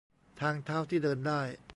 - ทางเท้าที่เดินได้